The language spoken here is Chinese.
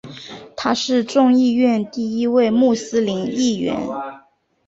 他是众议院第一位穆斯林议员。